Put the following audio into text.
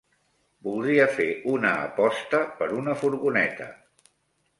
Voldria fer una aposta per una furgoneta.